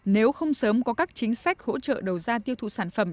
nếu không sớm có các chính sách hỗ trợ đầu ra tiêu thụ sản phẩm